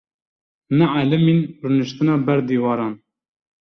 Neelîmin rûniştina ber dîwaran.